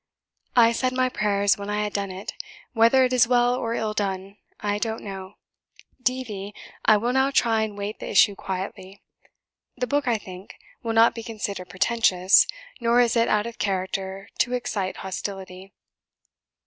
"I said my prayers when I had done it. Whether it is well or ill done, I don't know; D. V., I will now try and wait the issue quietly. The book, I think, will not be considered pretentious; nor is it of a character to excite hostility."